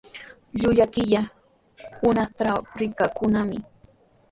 Llullu killa hunaqtraw rikakannami.